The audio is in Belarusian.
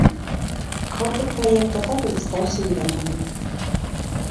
Аўтар праекта так і застаўся невядомы.